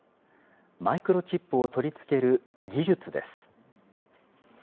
マイクロチップを取り付ける技術です。